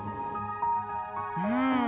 うん。